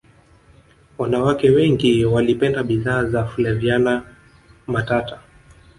wanawake wengi walipenda bidhaa za flaviana matata